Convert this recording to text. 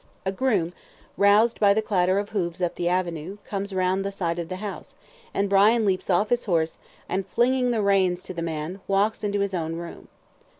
A groom, roused by the clatter of hoofs up the avenue, comes round the side of the house, and Brian leaps off his horse, and flinging the reins to the man, walks into his own room.